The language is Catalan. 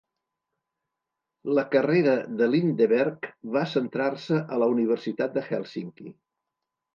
La carrera de Lindeberg va centrar-se a la Universitat de Helsinki.